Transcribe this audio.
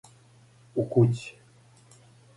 У кући је.